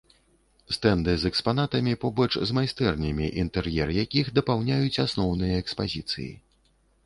Стэнды з экспанатамі побач з майстэрнямі, інтэр'ер якіх дапаўняюць асноўныя экспазіцыі.